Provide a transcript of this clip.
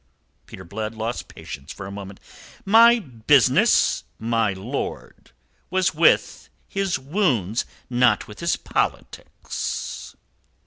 Peter Blood lost patience for a moment. "My business, my lord, was with his wounds, not with his politics."